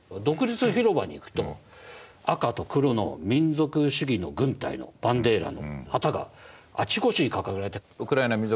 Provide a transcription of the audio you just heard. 独立広場に行くと赤と黒の民族主義の軍隊のバンデーラの旗があちこちに掲げられている。